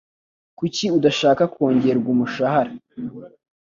Kuki udasaba kongererwa umushahara?